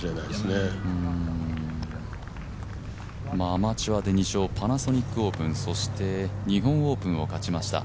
アマチュアで２勝パナソニックオープン、そして日本オープンを勝ちました。